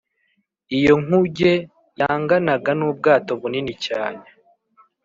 Iyo nkuge yanganaga n’ubwato bunini cyane